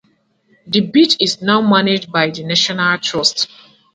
The beach is now managed by the National Trust.